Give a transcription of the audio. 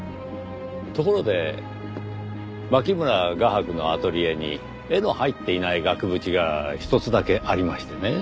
ところで牧村画伯のアトリエに絵の入っていない額縁が一つだけありましてね